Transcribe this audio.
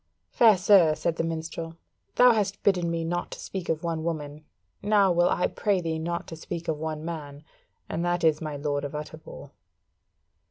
"Fair sir," said the minstrel; "thou hast bidden me not speak of one woman, now will I pray thee not to speak of one man, and that is my Lord of Utterbol."